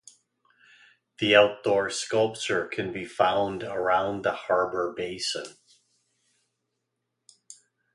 The outdoor sculpture can be found around the harbour basin.